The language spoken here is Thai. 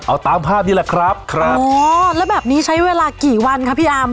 เอาตามภาพนี้แหละครับครับอ๋อแล้วแบบนี้ใช้เวลากี่วันคะพี่อาม